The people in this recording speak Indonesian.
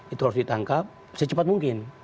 itu harus ditangkap secepat mungkin